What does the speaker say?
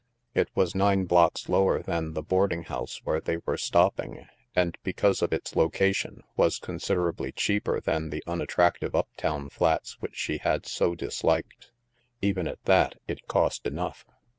It was nine blocks lower than the boarding house where they were stopping and, be cause of its location, was considerably cheaper than the unattractive up town flats which she had so dis liked. Even at that, it cost enough.